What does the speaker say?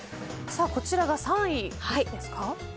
こちらが３位ですか。